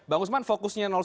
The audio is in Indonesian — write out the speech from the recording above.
bang usman fokusnya satu